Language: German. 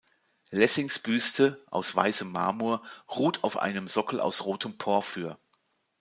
Lessings Büste aus weißem Marmor ruht auf einem Sockel aus rotem Porphyr.